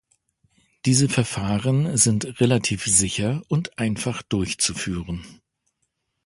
Diese Verfahren sind relativ sicher und einfach durchzuführen.